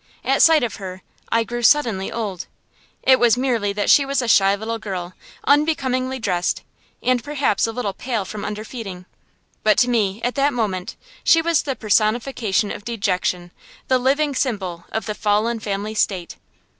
At sight of her I grew suddenly old. It was merely that she was a shy little girl, unbecomingly dressed, and perhaps a little pale from underfeeding. But to me, at that moment, she was the personification of dejection, the living symbol of the fallen family state.